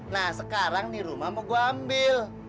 nah sekarang nih rumah mau gue ambil